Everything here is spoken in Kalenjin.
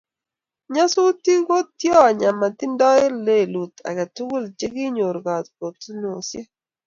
Nyasutik ki tiony ama tindoi lelut age tugul che kanyor kakutunosiek